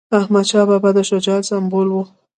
احمدشاه بابا د شجاعت سمبول و.